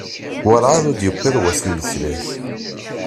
Werɛad i d-yewwiḍ wass n leslak.